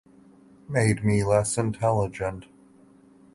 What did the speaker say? Made me less intelligent.